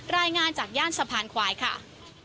รายงานจากย่านสะพานควายค่ะ